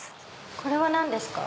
これは何ですか？